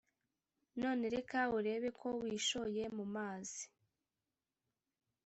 none reka urebeko wishoye mumazi